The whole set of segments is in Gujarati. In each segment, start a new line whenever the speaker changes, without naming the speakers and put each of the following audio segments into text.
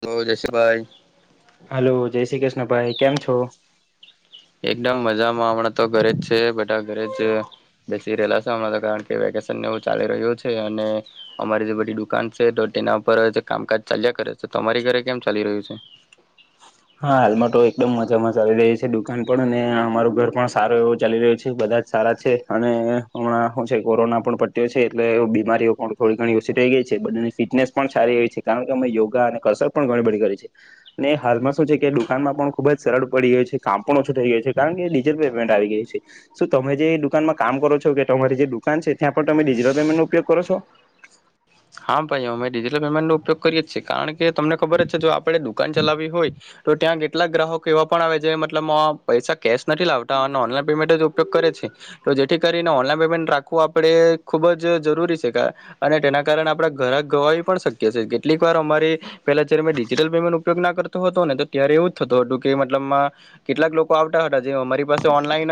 તો જૈસક ભાઈ.
હલો જય શ્રી કૃષ્ણ ભાઈ કેમ છો.
એકદમ મજામાં હમણાં તો ઘરે જ છે બધા ઘરે જ બેસી રહેલા છે હમણાં તો કારણ કે વેકેશન ચાલી રહ્યું છે અને અમારી જે બધી દુકાન છે તો તેના પર કામકાજ ચાલ્યા કરે છે તો તમારી ઘરે કેમ ચાલી રહ્યું છે.
હા હાલમાં તો એકદમ મજામાં. ચાલી રહી છે દુકાન પણ અને અમારું ઘર પણ સારો એવો ચાલી રહ્યો છે બધા જ સારા છે અને હમણાં હું છે કોરોના પણ પટ્યો છે એટલે બીમારીઓ પણ. થોડી ઘણી ઓછી થઈ ગઈ છે બંનેની ફિટનેસ. પણ સારી એવી છે કારણ કે અમે યોગા અને કસર પણ ઘણી બધી કરી છે અને હાલ મા શું છે કે દુકાનમાં પણ ખૂબ જ સરળ પડી હોય છે કામ. પણ ઓછું થઈ જાય છે કારણ કે ડીજે તમે જે દુકાનમાં કામ કરો છો કે [unintelligible] તમારી જે દુકાન છે ત્યાં પણ તમે ડિજિટલ પેમેન્ટ નો ઉપયોગ કરો છો.
હા ભાઈ અમે ડિજિટલ પેમેન્ટ નો ઉપયોગ કરીએ છીએ કારણ કે. કે તમને ખબર જ છે જો આપણે દુકાન ચલાવવી હોય. તો ત્યાં કેટલાક ગ્રાહકો એવા પણ આવે જે મતલબ પૈસા કેશ નથી લાવતા અને ઓનલાઈન પેમેન્ટ જ ઉપયોગ કરે છે, તો જેથી કરીને ઓનલાઈન પેમેન્ટ રાખવું આપણે ખૂબ જ જરૂરી છે, અને તેના આપણા ઘરા ગવાવી પણ શક્ય છે, કેટલીક વાર અમારી પેલા જયારે મે ડજટલ પેમેન્ટ ઉપયોગ ના કરતો હતો ને તો ત્યારે એવું જ થતો હતું કે મતલબમાં કેટલાક લોકો આવતા હતા જે અમારી પાસે ઓનલાઈન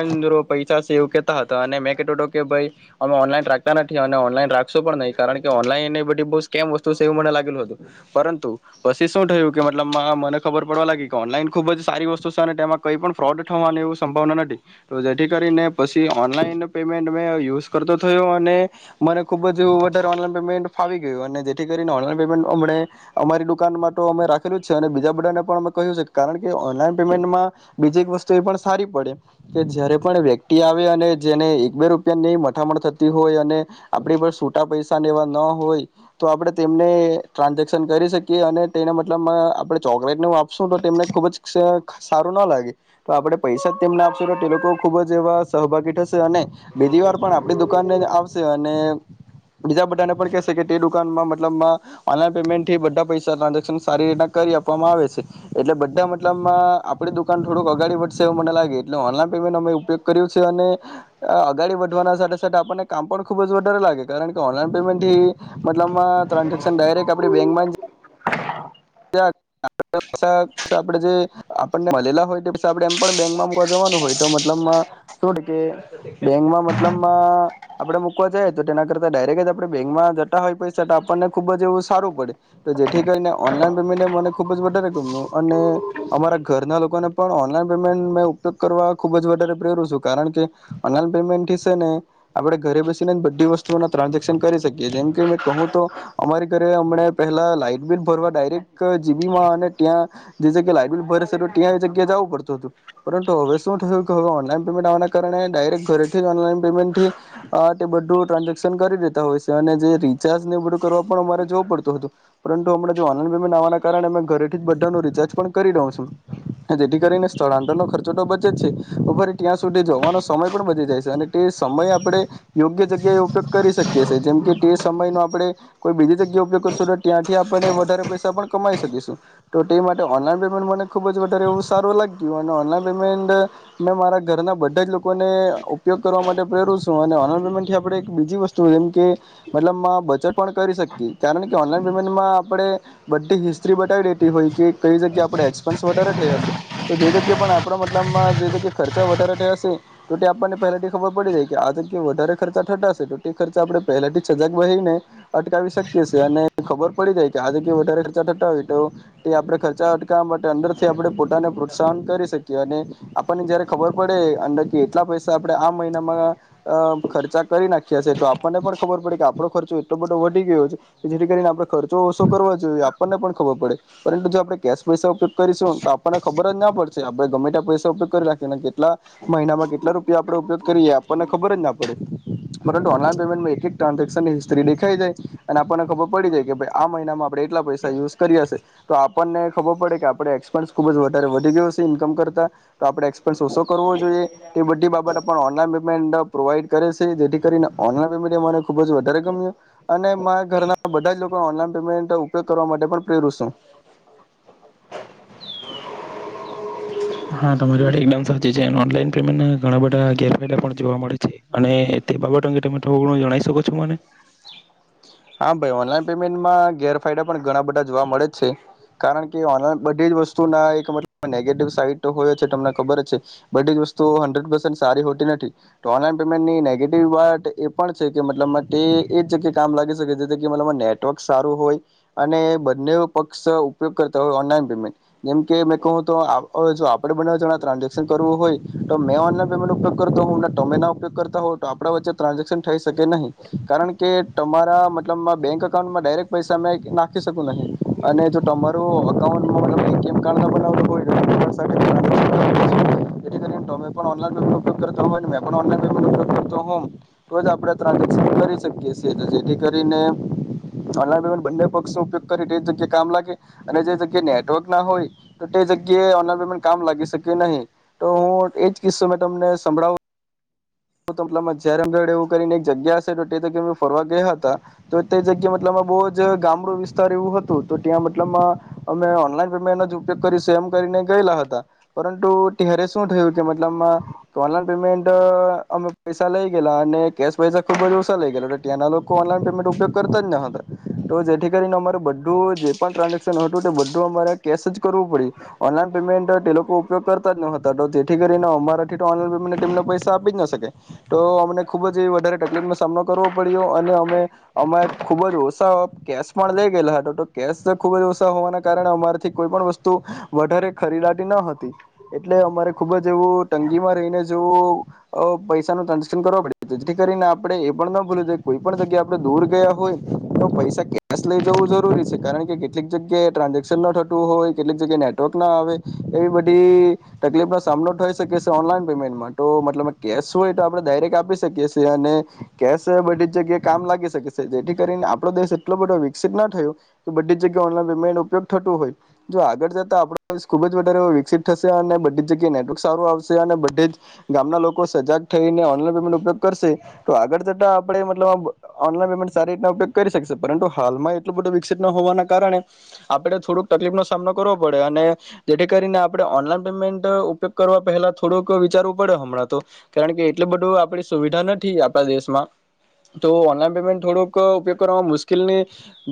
પૈસા છે એવું કેહેતા હતા અને મેં કતો હતો કે ભાઈ, અમે ઓનલાઈન રાખતા નથી અને ઓનલાઈન રાખશો પણ નહી કારણ કે ઓનલાઈન એ બધી બ સ્કેમ વસ્તુ છે એવું મને લાગેલું હતું પરંતુ પછી શું થયું કે મતલબ મને ખબર પડવા લાગી કે ઓનલાઈન ખુબ જ સારી વસ્તુ છે અને, તેમાં કઈ પણ ફ્રોડ થવાની એ સંભાવના નથી તો જેથી કરીને પછી ઓનલાઈન પેમેન્ટ મે યુઝ કરતો થયો અને મને ખુબ જવ પમેન્ટ ફાવી ગયું જેથી કરીને ઓનલાન પેમેન્ટ અમ અમારી દુકાનમાં અમે રાખેલું છે અને બીજા બધાને પણ અમે કહ્યું છે કારણ કે ઓનલાઈન પેમેન્ટમાં બીજી એક વસ્તુ એ પણ સારી પડે કે જયારે પણ વ્યક્તિ આવે અને જેને એક બે રૂપિયાની મથામણ થતી હોય અને આપણી પર છૂટા પૈસા એવા ના હોય, તો આપણે તેમને ટ્રાન્ઝેક્શન કરી શકીએ અને તેના મતલબ આપણે ચોકલેટ ન આપશું તો તેમને ખુબ જ સારું ના લાગે, તો આપડણે પૈસા જ તેમને આપશું તો તે લોકો ખુબ જ એવા સહભાગી થશે અને બીજી વાર પણ આપણી દુકાનને આવશે અને બીજા બધાને પણ કેહે તે દુકાનમાં મતબમાં, ઓનલાઈન પેમેન્ટ થી બધા પૈસા ટ્રાન્ઝેક્શન સારી રીતના કરી આપવામાં આવે છે, એટલે બધા મતલબમાં આપણી દુકાન થોડુંક અગાડી વધશે એવું મને લાગે એટલે ઓનલાઈન પેમેન્ટનો મે ઉપયોગ કર્યું છે અને, અગાડી વધવાના સાથે સાથે આપણને કામ પણ ખુબ જ વધારે લાગે. કારણ ઓનલાઈન પેમેન્ટ થી, મતલબમાં ટ્રાન્ઝેક્શન ડાયરેક્ટ આપણી બેંકમાં જ આપડે જે આપણને મળેલા હોય પ આપે એમ પણ બેંકમાં મક જવાનું હોય તો મતલબમાં, શ કે બેંકમાં મતલબમાં આપડે મૂકવા જઈ તો તેના કરતા ડાયરેક્ટ જ આપણે બેંકમાં જતા હોય પૈસા તો આપણને ખુબ જ એવું સારું પડે, તો જેથી કરીને ઓનલાઈન પેમેન્ટ એ મને ખૂબ જ વધારે ગમ્યું અને, અમારા ઘરના લોકોને પણ ઓનલાઈન પેમેન્ટ મેં ઉપયોગ કરવા ખૂબ જ વધારે પ્રેરું છું કારણ કે, ઓનલાઈન પેમેન્ટથી છે ને, આપણે ઘરે બેસીને જ બધી વસ્તુઓના ટ્રાન્ઝેક્શન કરી શકીએ જેમ કે મેં કહું તો, અમારી ઘરે અમં પહેલા લાાઈટ બિલ ભરવા ડાયરેક્ટ જીબીમાં અને ત્યાં જે જગ્યા લાઇટબિલ ભરે છે ત્યાં એ જગ્યા જવું પડતું હતું પરંતુ હવે શું થયું કે હવે ઓનલાઈન પેમેન્ટ આવવાના કારણે ડાયરેક્ટ ઘરેથી ઓનલાઈન પેમેન્ટથી તે બધું ટ્રાન્ઝેક્શન કરી દેતા હોય છે અને જે રિચાર્જને બધું કરવા પણ અમારે જોવું પડતું હતું. હણા આનંદવાના કારણે અમે ઘરેથી જ બા નો રિચાર્જ પણ કરી રહઉ છું, જેથી કરીને સ્થળાંતર ન ખર્ચો તો બચે જ છે, ફરી ત્યાં સુધી જોવાનો સમય પણ બચી જાય છે અને તે સમય આપડણે યોગ્ય જગ્યા ઉપયોગ કરી શકે. કે છે જેમ કે તે સમય ન આપણે કોઈ બીજી જગ્યા ઉપયોગશો ત્યાં થી આપને વધારે પૈસા પણ કમાઈ શકીશું, તો તે માટે ઓનલાઈન પેમેન્ટ મને ખૂબ જ વધારે એવું સારું લાગ્યું અને ઓનલાઈન પેમેન્ટ મેં મારા ઘરના બધા જ લોકોને ઉપયોગ કરવા માટે પ્રેરું છું અને ઓનલાઈન પેમેન્ટથી આપણે એક બીજી વસ્તુ જેમ કે, મતલબ મા બચટ પણ કરી શકીએ કારણ કે ઓનલાઈન આપણે, બધી હિસ્ટ્રી બતાવી લેતી હોય કે કઈ જગ્યા આપણે એક્સપેન્સ વધારે થયા છે. તો જે જગ્યા પણ આપણા મતલબમાં જે જગ્યા ખર્ચા વધારે થયાશે, તો તે આપણને પહેલાથી ખબર પડી જાય કે આ જગ્યા વધારે ખર્ચા થટાશે તો તે ખર્ચા આપણે પહેલાથી સજાગ વહીને, અટકી શકીએ અને ખબર પડી જાય કે આજે કે વધારે ખર્ચા અટકાવય તો, તે આપણે ખર્ચા અટકાવવા માટે અંદરથી આપણે પોતાને પ્રોત્સાહન કરી શકીએ અને, આપણને જયારે ખબર પડે અંદર કે એટલા પૈસા આપણે આ મહિનામાં અ ખર્ચા કરી નાખ્યા છે તો આપણને પણ ખબર પડે કે આપણો ખર્ચો એટલો બધો વધી ગયો છે કે જે ને આપણે ખર્ચો ઓછો કરવા જોઈએ આપણને પણ ખબર પડે, પરંતુ જો આપણે કેશ પૈસા ઉપયોગ કરીશું તો આપણને ખબર જ ના પડશે આપણે ગમેટ પૈસા ઉપયોગ કરી રાખીને કેટલા મહિનામાં કેટલા રૂપિયા આપણે ઉપયોગ કરીએ એ આપણને ખબર જ ના પડે, પરંતુ ઓનલાઈન પેમેન્ટમાં એક ટ્રાન્ઝેક્શનની હિસ્ટ્રી દેખાઈ જાય અને આપણને ખબર પડ પડી જાય કે આ મહિનામાં આપણે એટલા પૈસા યુઝ કરી હશે, તો આપણને ખબર પડે આપણે એક્સપન્સ ખુબ વધારે વધી ગયો છે ઇન્કમ કર આપપ ઓ કરવો જોઈએ એ બધી બાબત ઓનલાન પેમેન્ટ પ્રોવાઈડ કરે છે જેથી કરીને ઓલાન્ટને ખુબ જ વધારે ગમ્યું. અને મારા ઘરના ઓનલાઈન પેમેન્ટ ઉપયોગ કરવા માટે પણ પ્રેરત છું.
હા તમારી વા એકદમ સાચી છે ઓનલાન પેમેન્ટ ના ઘણા બધા ગેરફાયદા પણ જોવા મળે છે અને બાબ અંગે તમે થ જણ શકો છો મને?
હા ભાઈ ઓનલાઈન પેમેન્ટમાં ગેરફાયદા પણ ઘણા બધા જોવા મળે જ છે, કારણ કે ઓનલાન બધી જ વસ્તુના એક મતલબ નેગેટિવ સાઈડ હોય છે તમને ખબર જ છે, બધી જ વસ્તુ હન્ડ્રેડ પસે સારી હોતી નથી, તો ઓનલાઈન પેમેન્ટની નેગેટિવ વાત એ પણ છે કે મતલબ તે એ જગ્યા કામ લાગે. નેટવર્ક સારું હોય, અને બંને પક્ષ ઉપયોગ કરતા હોય ઓનલાઈન પેમેન્ટ, જેમકે મે કહું જો આપણે બંને જણા ટ્રાન્ઝેક્શન કરવું હોય, તો મે ઓનલાન પેમેન્ટ ઉપયોગ કરતો હો ટમેના ઉપયોગ કરતા હો તો આપણા વચ્ચે ટ્રાન્ઝેક્શન થઈ શકે નહીં, કારણ કે તમારા લ બેંક અઉન્ટમાં ડાયરેક્ટ પૈસા મે નાખી શકું નનહીં, અને જો તમારું અઉન્ટવમે ઉપગ હો હોમ તો જ આપણે ટ્રાન્ઝેક્શન કરી શકીએ. કરીને ઓનલાઈન પેમેન્ટ બંને પક્ષનો ઉપયોગ કરી તે જગ્યાએ કામ લાગે, અને જે જગ્યા નેટવર્ક ના હોય તો તે જગ્યાએ ઓનલાઈન પેમેન્ટ કામ લાગી શકે નહીં, તો હું એ જ કિસ્સો મેં તમને સંભળાવ જ્યારેમગ એવું કરીને એક જગ્યા હ તો તે જગ્યાએ મેં ફરવા ગયા હતા. તો તે જગ્યા મતલબ બહુ જ ગામડું વિસ્તાર એવું હતું તો ત્યાં મતલબમાં, અમે ઓનલાઈન પેમેન્ટ જ ઉપયોગ કરીશું એમ કરીને ગયેલા હતા, પરંતુ ત્યારે શું થયું કે મતલબમાં ઓનલાઈન પેમેન્ટ અમે પૈસા લઈ ગેલા અને કેશ પૈસા ખુબ જ ઓછા લઇ ગયેલા ત્યાંના ઓનલાન પેમેન્ટ ઉપયોગ કરતા જ ન હતા, તો જેથી કરીને અમારે બધું જે પણ ટ્રાન્ઝેક્શન હતું તે બધું અમારે કેશ જ કરવું પડ્યું, ઓનલાઈન પેમેન્ટ તે લોકો ઉપયોગ કરતા જ ન હતા તો જેથી કરીને અમારાથી તો ઓનલાન પેમેન્ટને પૈસા આપી જ ન શકે, તો અમને ખુબ જ એ વધારે તકલીફનોો સામનો કરવો પડ્યો અને અ ખુબ જ ઓછા કેશ પણ લઈ ગયેલા હતો તો કેશ ખુબ જ ઓછા હોવાના કારણે અમારેથી કોઈ પણ વસ્તુ, વધારે ખરીદતી ન હતી, એટલે અમારે ખુબ જ એવું તંગીમાં રહીને જેવું પૈસા નું ટ્રાન્ઝેક્શન કરવા પડ જેથી કરીને આપણે એ પણ ન ભૂલ્યું કો જગ્યા આપણે દૂર ગયા હોય તો પૈસા કેશ લઈ જવું જરૂરી છે કારણ કે કેટલીક જગ્યાએ ટ્રાન્ઝેક્શન ના થતું હોય કેટલીક જગ્યાએ નેટવર્ક ના આવે, એવી બધી તકલીફનોો સામનો થઈ શકે છે ઓનલાઈન પેમેન્ટમાં તો મતલબ કેશ હોય તો આપણે ડાયરેક્ટ આપી શકીએ છીએ અને કેશ બધ જગ્યાએ કામ લાગી શકેશે જેથી કરીને આપડો દેશ એટલો બધો વિકસિત ના થયો કે બધી જગ્યાએ ઓનલાઈન પેમે ઉપયોગ થતું હોય, જો આગળ જતા આપ ખુબ જ વધારે વિકસિત થશે અને બધી જગ્યાએ નેટવર્ક સારું આવશે અને બધી જ ગામના લોકો સજાગ થઈને ેન્ટ ઉપયોગ કરશે. તો આગળ જતા આપડે મતલબ ઓનલાન પેમેન્ટ સારી રીતના ઉપયોગ કરી શકશે પરંતુ હાલમાં એટલું બધું વિકસિત ન હોવાના કારણે આપણે થોડોક તકલીફ નો સામનો કરવો પડે અને જેથી કરીને આપણે ઓનલાઈન પેમેન્ટ ઉપયોગ કરવા પહેલા થોડુંક વિચારવું પડે હમણાં તો કારણકે એટલ બધું આપડી સુવિધા નથી આપણા દેશમાં તો ઓનલાઈન પેમેન્ટ થોડુંક ઉપયોગ કરવામાં મુશ્કેલની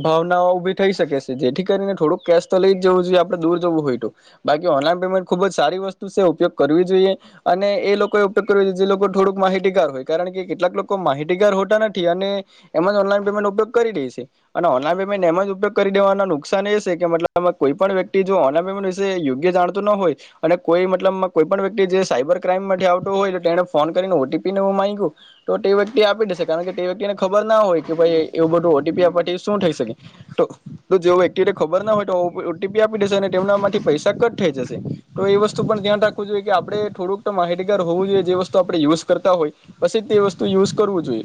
ભાવનાઓ ઉભી થઈ શકે છે જેથી કરીને થોડુંક કેશ તો લઈ જ જવું જોઈએ આપડણે દૂર જવું હોય તો બાકી ઓનલાઈન પેમેન્ટ ખુબ જ સારી વસ્તુ છે ઉપયોગ કરવી જોઈએ અને એ લોકોએ ઉપયોગ કર જોઈએ જે લોકો થોડુંક માહિતીગાર હોય કારણ કે કેટલાક લોકો માહિતી તિગર હોતા નથી અને એમાં જ ઓનલાન પેમેન્ટ ઉપયોગ કરીઈશ અને ઓનલાઈન પેમેન્ટ એમાં ઉપયોગ કરી દેવાના નુકસાન એ છે કેતલ કોઈ પણ વ્યક્તિ ઓનલાઈ ન પેમેન્ટ વિ યોગ્ય જાણતું ન હોય અને કોઈ મતલબ કોઈ પણ વ્યક્તિ જે સાયબર ક્રાઈમ માટે આવતો હોય તો તેને ફોન કરીને ઓટીપીને એવું માંગ્યું તો તે તે આપી દેશે કારણ કે તે વ્યક્તિને ખબર ના હોય કે ભાઈ એવું બધું ઓટીપી આપવાથી શું થઈ શકે તો જે વ્યક્તિને ખબર ના હોય તો ઓટીપી આપી દેશે અને તેમનામાંથી પૈસા કટ થઈ જશે તો એ વસ્તુ પણ ધ્યાન રાખવું જોઈએ કે આપણે થોડુંક તો માહિતગાર હોવું જોઈએ જે વસ્તુ આપણે યુઝ કરતા હોય પછી તે વસ્તુ યુઝ કરવું જોઈએ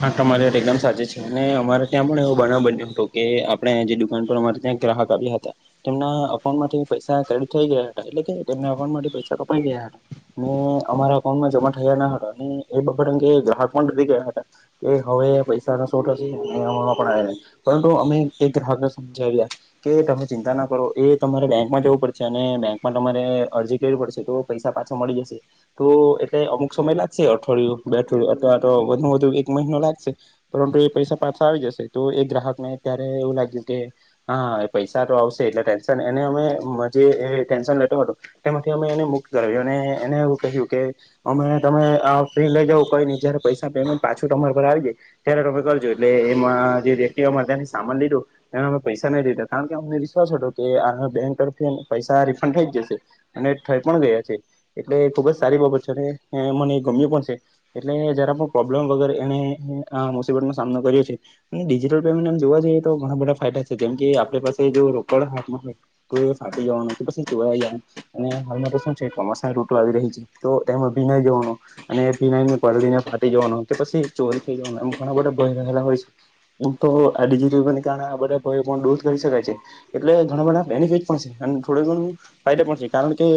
હા તમારી એકદમ સાચી છે અને અમારે ત્યાં પણ એવું બનાવ બન્યું હતું કે આપણે જે દુકાન પર અમારે ત્યાં ગ્રાહક આવ્યા હતા તેમના અઉન્ટ માંથી પૈસા ક્રેડિટ થઈ ગયા હતા એટલે કે તેમના અઉન્ટમાંથી પૈસા કપાઈ ગયા હતા ને અમારા અઉન્ટમાં જમા થયા ના હતા અને એ બબર અંગે ગ્રાહક પણ ડૂબી ગયા હતા કે હવે પૈસા નુ શુ થશે મળવા આવે પરંતુ અમે એક ગ્રાહકને સમજાવ્યા કે તમે ચિંતા ના કરો એ તમારે બેંકમાં જવું પડશે અને બેંકમાં તમારે અરજી કરવી પડશે તો પૈસા પાછો મળી જશે તો એટલે અમુક સમય લાગશે અઠવાડયું બે અઠવાડિયું અથવા તો વધુ વધુ એક મહિનો લાગશે પરંતુ એ પૈસા પાછા આવી જશે તો એ ગ્રાહક નેત્યારે એવું લાગ્યું કે હા એ પૈસા તો આવશે એટલે ટેન્શન એને અમે જે ટેન્શન લેતો હતો તેમાંથી અમે એને મુક્ત કરાવ્યું અને એને એવું કહ્યું કે અમે તમે આ ફ્રી લઈ જાવ કોઈ નહી જયારે પૈસા પેમેન્ટ પાછું તમારા પર આવી જાય ત્યારે તમે કરજો એટલે એમાં જે વ્યક્તિ અમારે ત્યાં સામાન લીધો એને અમે પૈસા નહી લીધા કારણ કે અમને વિશ્વાસ હતો કે આ બેંક તરફથી પૈસા રિફંડ થઈ જ જશે અને થઈ પણ ગયા છે એટલે ખુબ જ સારી બાબત છે અને મને ગમ્યું પણ છે એટલે જરા પણ પ્રોબ બ્લેમ વગર એને આ મુસીબતનોો સામનો કર્યો છે અને ડિજિટલ પેમેન્ટમ જોવા જઈએ તો ઘણા બધા ફાયદા છે જેમ કે આપણે પાસે જો રોકડ હાથમાં હોય તો એ ફાટી જવાનું તો પછી જો જાય અને હાલમાં તો શું છે ચોમાસા રૂટો આવી રહી છે તો એમાં ભીનાઈ જવાનો અને ભીનાને પડીને ફાટી જવાનો કે પછી ચોરી થઈ જવાના એમ ઘણા બધા ભય રહેલા હોય છે એમ તો આડીજી કારણે આ બધા ભ પણ દૂર કરી શકાય છે એટલે ઘણા બધા બેનિફિટ પણ છે અને થોડ ઘણું ફાયદા પણ છે કારણ કે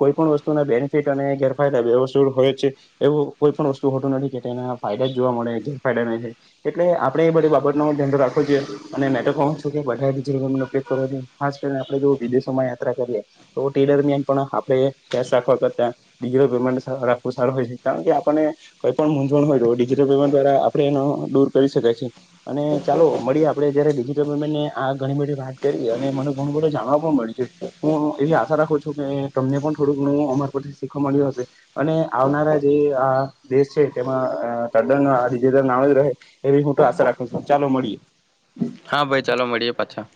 કોઈ પણ વસ્તુના બેનિફિટ અને ગેરફાયદા બે વસ્તુ હોય છે એવું કોઈ પણ વસ્તુ શુંતું નથી કેના ફાયદા જ જોવા મળે ગેરફાયદા ન છે એટલે આપણે એ બધી બાબત ધ્યાન રાખવું જોએ અનેનેટ ઉપયોગ કરવો જોઈ ખાસ કરીનેણે જો વિદેશોમાં યાત્રા કરીએ તો તે દરમિયાન પણ આપણે કેશ રાખવા કરતાિટલ પેમેન્ટ રાખવું સારું હોય છે કારણ કે આપને કઈ પણ મૂંઝવણ હોય તો ડિજટલ પેમેન્ટ દ્વારા આપણે એનો દૂર કરી શકાય જે અને ચાલો મળીએ આપડે જયારે જે તમે મને આ ઘણી બધી વાત કરી અને મને ઘણું બધું જાણવા પણ મળ્યું છે હું એવી આશા રાખું છું કે તમને પણ થોડું ઘણું અમારા પરથી શીખવા મળ્યું હશે અને આવનારા જે આ દેશ છે તેમાં તદ્દન આ ડિજિટલ નામ જ રહે. એવી હું આશા રાખું છું ચાલો મળીએ.
હા, ભાઈ ચાલો મળીએ પાછા